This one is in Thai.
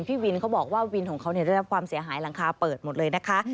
พี่วินเขาบอกว่าวินของเขาได้รับความเสียหายหลังคาเปิดหมดเลยนะคะ